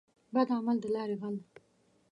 بد عمل دلاري غل.